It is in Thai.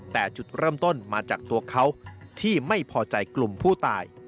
แต่จุดเริ่มต้นมาจากตัวเขาที่ไม่พอใจกลุ่มผู้ตาย